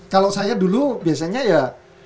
kalau saya dulu biasanya ya